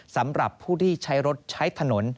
สำหรับผู้ที่ใช้รถใช้ถนน